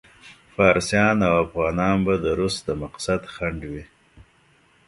فارسیان او افغانان به د روس د مقصد خنډ وي.